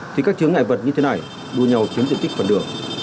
thì các chướng ngại vật như thế này đua nhau chiếm diện tích phần đường